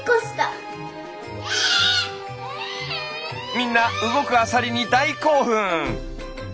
みんな動くアサリに大興奮。